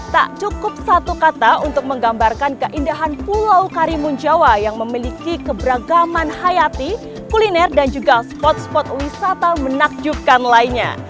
tak cukup satu kata untuk menggambarkan keindahan pulau karimun jawa yang memiliki keberagaman hayati kuliner dan juga spot spot wisata menakjubkan lainnya